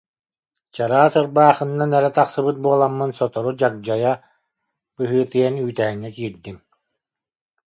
Чараас ырбаахынан эрэ тахсыбыт буоламмын сотору дьагдьайа быһыытыйан үүтээҥҥэ киирдим